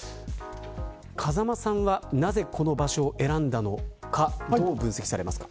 風間さんはなぜこの場所を選んだのかどう分析されますか。